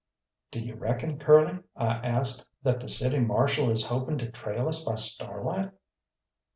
"D'you reckon, Curly," I asked, "that the City Marshal is hoping to trail us by starlight?"